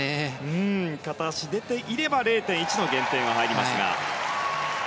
片足が出ていれば０．１の減点が入りますが。